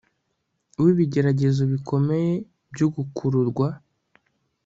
wibigeragezo bikomeye byo gukururwa